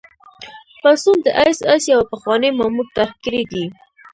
پاڅون د اېس ایس یوه پخواني مامور طرح کړی دی